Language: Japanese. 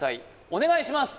お願いします